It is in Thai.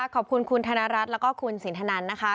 ขอบคุณคุณธนรัฐแล้วก็คุณสินทนันนะคะ